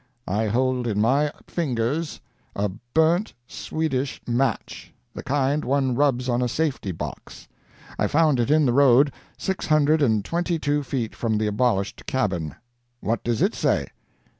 "I hold in my fingers a burnt Swedish match the kind one rubs on a safety box. I found it in the road, six hundred and twenty two feet from the abolished cabin. What does it say?